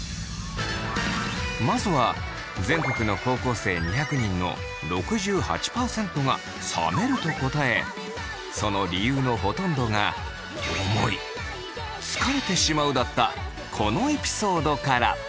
まずは全国の高校生２００人の６８％が冷めると答えその理由のほとんどがこのエピソードから。